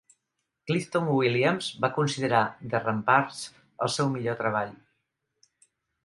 Clifton Williams va considerar "The Ramparts" el seu millor treball.